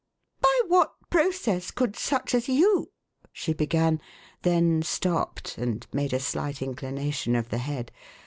"By what process could such as you " she began; then stopped and made a slight inclination of the head.